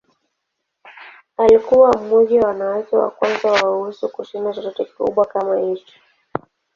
Alikuwa mmoja wa wanawake wa kwanza wa weusi kushinda chochote kikubwa kama hicho.